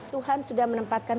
tuhan sudah menempatkan